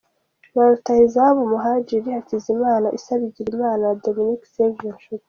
Ba rutahizamu: Muhadjiri Hakizimana, Issa Bigirimana na Dominique Savio Nshuti